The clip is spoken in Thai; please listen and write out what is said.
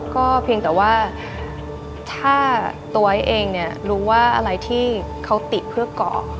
ก็เพียงแต่ว่าถ้าตัวเองรู้ว่าอะไรที่เขาติดเพื่อก่อ